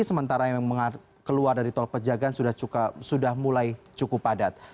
sementara yang keluar dari tol pejagaan sudah mulai cukup padat